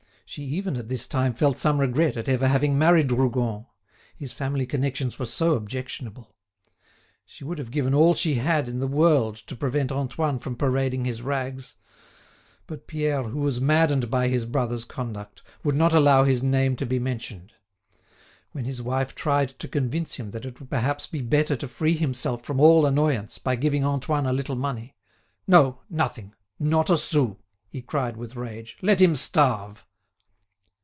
She even at this time felt some regret at ever having married Rougon; his family connections were so objectionable. She would have given all she had in the world to prevent Antoine from parading his rags. But Pierre, who was maddened by his brother's conduct, would not allow his name to be mentioned. When his wife tried to convince him that it would perhaps be better to free himself from all annoyance by giving Antoine a little money: "No, nothing; not a sou," he cried with rage. "Let him starve!"